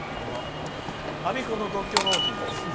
我孫子の独居老人です。